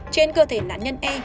trên cơ thể nạn nhân e